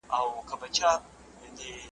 کرۍ ورځ دلته آسونه ځغلېدله ,